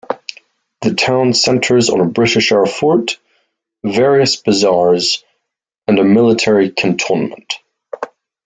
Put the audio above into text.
The town centers on a British-era fort, various bazaars and a military cantonment.